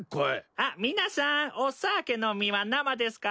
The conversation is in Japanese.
あっ皆さんオ・サーケの実は生ですか？